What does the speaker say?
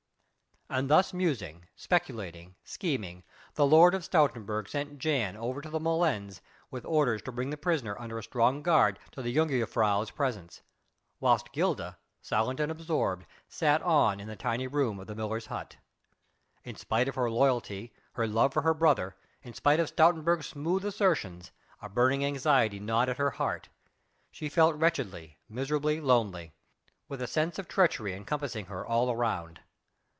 And thus musing, speculating, scheming, the Lord of Stoutenburg sent Jan over to the molens with orders to bring the prisoner under a strong guard to the jongejuffrouw's presence, whilst Gilda, silent and absorbed, sat on in the tiny room of the miller's hut. In spite of her loyalty, her love for her brother, in spite of Stoutenburg's smooth assertions, a burning anxiety gnawed at her heart she felt wretchedly, miserably lonely, with a sense of treachery encompassing her all round.